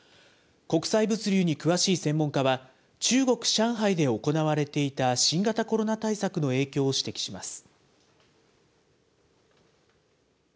国際物流に詳しい専門家は、中国・上海で行われていた新型コロナ対策の影響を指摘します。